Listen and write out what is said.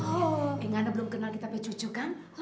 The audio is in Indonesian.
enggak ada belum kenal kita pake cucu kan